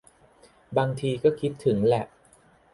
บางทีก็คิดถึงแหละ